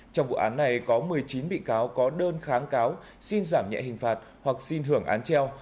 trong vụ án này có một mươi chín bị cáo có đơn kháng cáo xin giảm nhẹ hình phạt hoặc xin hưởng án treo